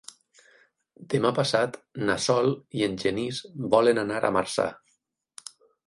Demà passat na Sol i en Genís volen anar a Marçà.